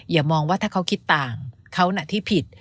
อย่ามองว่าถ้าเขาคิดต่างเขาน่ะที่ผิด